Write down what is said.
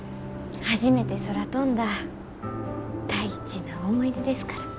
初めて空飛んだ大事な思い出ですから。